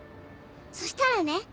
そしたらね。